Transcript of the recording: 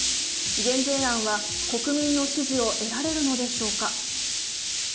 減税案は国民の支持を得られるのでしょうか。